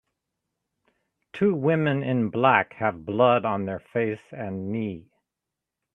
Two women in black have blood on their face and knee